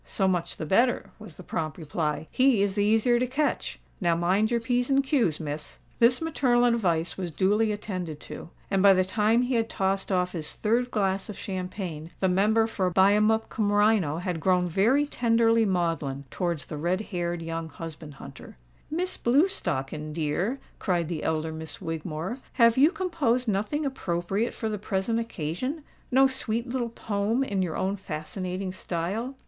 "So much the better," was the prompt reply: "he is the easier to catch. Now mind your p's and q's, Miss." This maternal advice was duly attended to; and, by the time he had tossed off his third glass of champagne, the Member for Buyemup cum Rhino had grown very tenderly maudlin towards the red haired young husband hunter. "Miss Blewstocken, dear," cried the elder Miss Wigmore, "have you composed nothing appropriate for the present occasion?—no sweet little poem in your own fascinating style?"